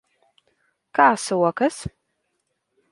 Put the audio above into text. Kā sokas?